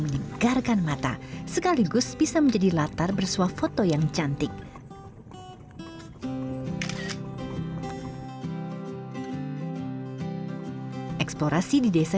menyegarkan mata sekaligus bisa menjadi latar bersuah foto yang cantik eksplorasi di desa